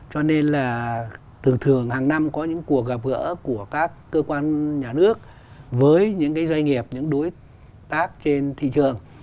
cho nên là thường thường hàng năm có những cuộc gặp gỡ của các cơ quan nhà nước với những cái doanh nghiệp những đối tác trên thị trường